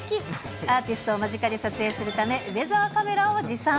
アーティストを間近で撮影するため、梅澤カメラを持参。